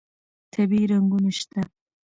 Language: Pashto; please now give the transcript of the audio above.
طبیعي رنګونه شته.